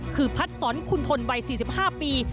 คือพัดสอนคุณทนวัย๔๕ปี